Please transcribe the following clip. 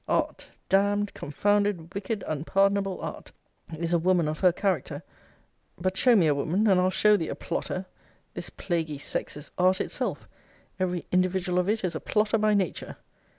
Art, damn'd, confounded, wicked, unpardonable art, is a woman of her character But show me a woman, and I'll show thee a plotter! This plaguy sex is art itself: every individual of it is a plotter by nature.